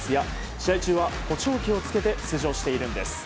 試合中は補聴器を着けて出場しているんです。